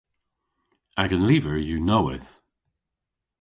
Agan lyver yw nowydh.